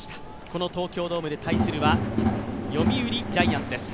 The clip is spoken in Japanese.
この東京ドームで対するは読売ジャイアンツです。